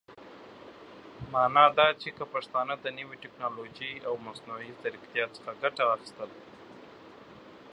معنا دا چې که پښتانهٔ د نوې ټيکنالوژۍ او مصنوعي ځيرکتيا څخه ګټه اخيستل